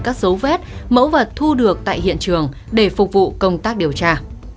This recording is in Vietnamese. các dấu vết mẫu vật thu được tại hiện trường để phục vụ công tác điều tra